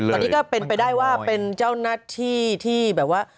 ตอนนี้ก็เป็นไปได้ว่าเป็นเจ้าหน้าที่ที่แบบว่า